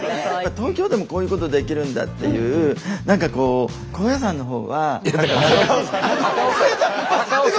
東京でもこういうことできるんだっていう何かこういやだから高尾山。